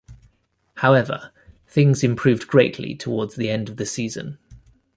However, things improved greatly towards the end of the season.